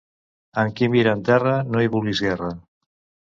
Amb qui mira en terra, no hi vulguis guerra.